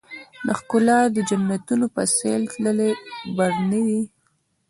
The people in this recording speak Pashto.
د ښــــــــکلا د جنــــــتونو په ســـــــېل تللـــــــی برنی دی